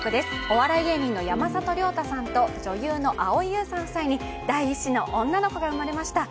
お笑い芸人の山里亮太さんと女優の蒼井優さん夫妻に第１子の女の子が生まれました。